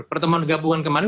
pertemuan gabungan kemarin